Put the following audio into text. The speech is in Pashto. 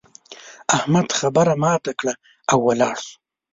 احمد خبره ماته کړه او ولاړ شو.